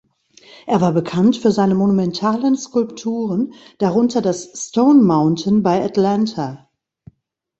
Er war bekannt für seine monumentalen Skulpturen, darunter das Stone Mountain bei Atlanta.